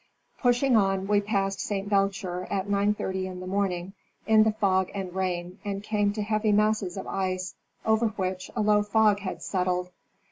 Pushing on we passed Pt. Belcher at 9.30 in the evening, in the fog and rain, and came to heavy masses of ice over which a low fog had settled.